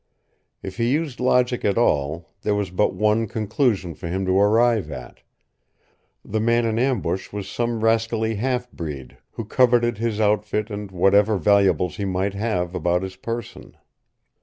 If he used logic at all, there was but one conclusion for him to arrive at. The man in ambush was some rascally half breed who coveted his outfit and whatever valuables he might have about his person.